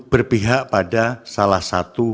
berpihak pada salah satu